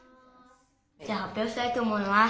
じゃあ発表したいと思います。